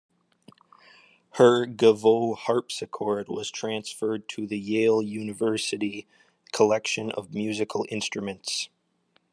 Her Gaveau harpsichord was transferred to the Yale University Collection of Musical Instruments.